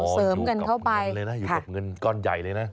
โอ้อยู่กับเงินเลยนะอยู่กับเงินก้อนใหญ่เลยนะ